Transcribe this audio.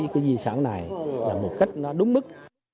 cái di sản này là một cách đúng mức